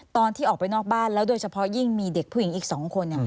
ตอนที่ออกไปนอกบ้านแล้วโดยเฉพาะยิ่งมีเด็กผู้หญิงอีก๒คน